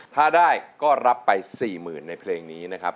ถ้าได้ก็รับไป๔๐๐๐ในเพลงนี้นะครับ